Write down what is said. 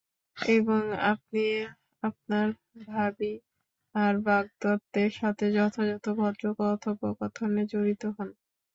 এবং আপনি আপনার ভাবি আর বাগদত্তের সাথে, যথাযথ ভদ্র কথোপকথনে জড়িত হোন।